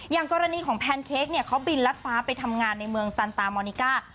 อย่างกรณีของแพนเค้กเนี่ยเขาบินรัดฟ้าไปทำงานในเมืองซันตามอนิก้า